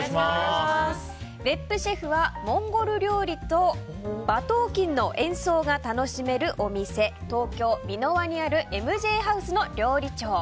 別府シェフはモンゴル料理と馬頭琴の演奏が楽しめるお店、東京・三ノ輪にあるＭＪはうすの料理長。